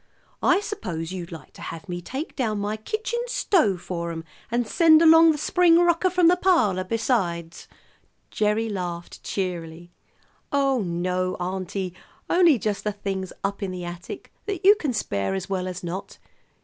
I suppose you'd like to have me take down my kitchen stove for 'em, and send along the spring rocker, from the parlor, besides." Gerry laughed cheerily. "Oh, no, auntie, only just the things up in the attic that you can spare as well as not.